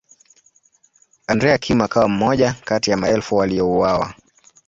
Andrea Kim akawa mmoja kati ya maelfu waliouawa.